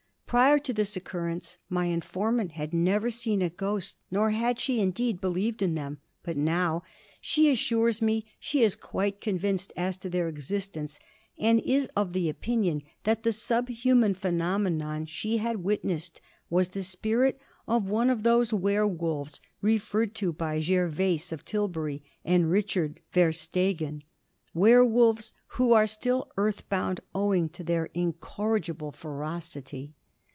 Prior to this occurrence, my informant had never seen a ghost, nor had she, indeed, believed in them; but now, she assures me, she is quite convinced as to their existence, and is of the opinion that the sub human phenomenon she had witnessed was the spirit of one of those werwolves referred to by Gervase of Tilbury and Richard Verstegan werwolves who were still earthbound owing to their incorrigible ferocity.